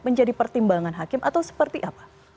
menjadi pertimbangan hakim atau seperti apa